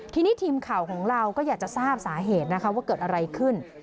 ทีนี้ทีมข่าวของเราก็อยากจะทราบสาเหตุนะคะว่าเกิดอะไรขึ้น